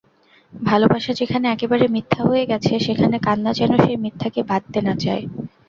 ভালোবাসা যেখানে একেবারে মিথ্যা হয়ে গেছে সেখানে কান্না যেন সেই মিথ্যাকে বাঁধতে না চায়।